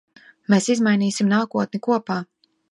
Mēs izmainīsim nākotni kopā.